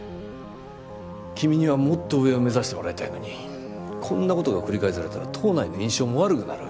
君にはもっと上を目指してもらいたいのにこんなことが繰り返されたら党内の印象も悪くなる。